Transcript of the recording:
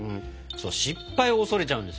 失敗を恐れちゃうんですよ